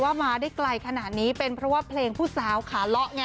อยากไปเยี่ยมบ้านเลยวัยรุ่นภูวิลล่าปะล่ะ